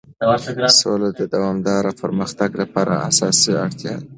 سوله د دوامدار پرمختګ لپاره اساسي اړتیا ده.